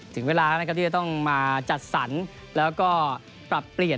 ถึงเวลาที่จะต้องมาจัดสรรแล้วก็ปรับเปลี่ยน